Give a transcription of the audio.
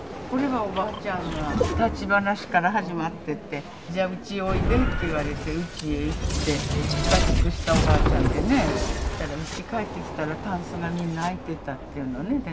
これはおばあちゃんが立ち話から始まってってじゃあうちへおいでって言われてうちへ行って親しくしたおばあちゃんでねそしたらうち帰ってきたらたんすがみんな開いてたっていうのね